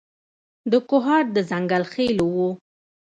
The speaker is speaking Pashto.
د کوهاټ د ځنګل خېلو و.